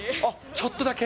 ちょっとだけ。